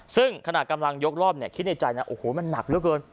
ซึ่งขณะกำลังยกรอบเนี่ยคิดในใจนะโอ้โหมันหนักเหลือเกิน